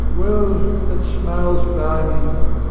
Well, let smiles buy me!